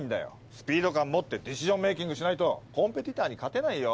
スピード感もってディシジョンメイキングしないとコンペティターに勝てないよ！